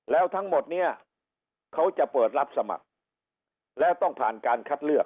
แล้วทั้งหมดเนี่ยเขาจะเปิดรับสมัครแล้วต้องผ่านการคัดเลือก